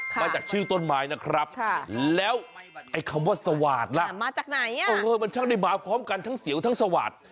มาจากชื่อต้นไม้นะครับแล้วไอ้คำว่าสวาดล่ะมาจากไหนมันช่างได้มาพร้อมกันทั้งเสียวทั้งสวาสตร์